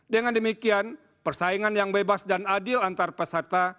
dengan demikian persaingan yang bebas dan adil antar peserta